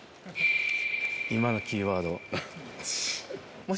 今のキーワード。